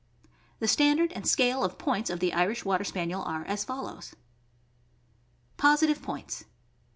The standard and scale of points of the Irish Water Spaniel are as follows: POSITIVE POINTS.